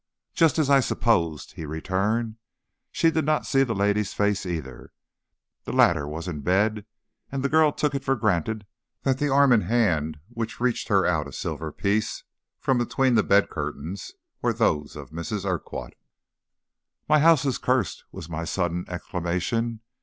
"Just as I supposed," he returned. "She did not see the lady's face either. The latter was in bed, and the girl took it for granted that the arm and hand which reached her out a silver piece from between the bed curtains were those of Mrs. Urquhart." "My house is cursed!" was my sudden exclamation.